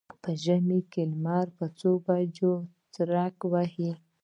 په ژمي کې لمر په بجو څریکه وهي.